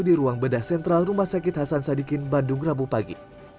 di ruang bedah sentral rumah sakit hasan sadikin bandung rabu pagi